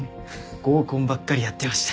合コンばっかりやってました。